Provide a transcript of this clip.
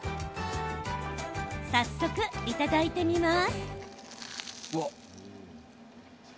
早速、いただいてみます。